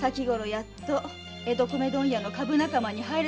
やっと江戸米問屋の株仲間に入れたんだよ。